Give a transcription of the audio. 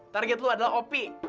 target lo adalah opi